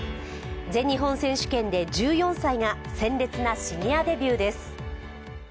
全日本選手権で１４歳が鮮烈なシニアデビューです。